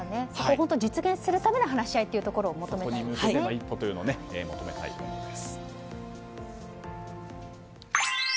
実現するための話し合いというところを求めたいですね。